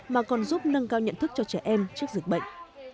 mà còn giúp nâng cao nhận thức cho trẻ em trước dịch bệnh